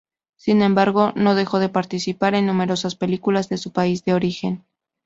Sin embargo, no dejó de participar en numerosas películas de su país de origen.